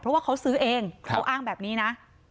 เพราะว่าเขาซื้อเองเขาอ้างแบบนี้นะ